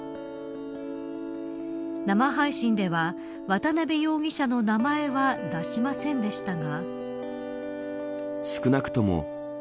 生配信では渡辺容疑者の名前は出しませんでしたが。